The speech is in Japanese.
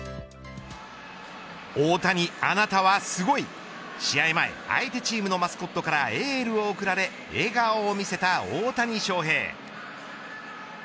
大谷、あなたはすごい試合前、相手チームのマスコットからエールを送られ笑顔を見せた大谷翔平。